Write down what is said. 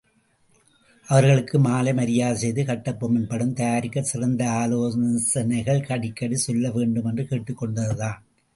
அவர்களுக்கு மாலை மரியாதை செய்து கட்ட்பொம்மன் படம் தயாரிக்கச்சிறந்த ஆலோசனைகள் அடிக்கடி சொல்ல வேண்டும் என்று கேட்டுக் கொண்டதுதான்.